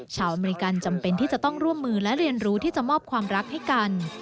อเมริกันจำเป็นที่จะต้องร่วมมือและเรียนรู้ที่จะมอบความรักให้กัน